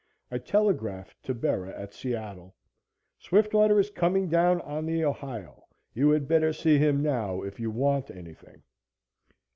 I telegraphed to Bera at Seattle: "Swiftwater is coming down on the Ohio. You had better see him now, if you want anything."